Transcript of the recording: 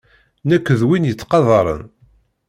Nekk d win yettqadaren.